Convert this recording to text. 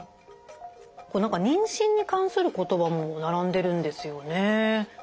何か妊娠に関する言葉も並んでるんですよね。